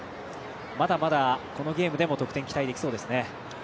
まだまだ、このゲームでも得点期待できそうですね。